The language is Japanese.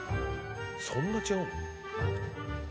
そんな違うの？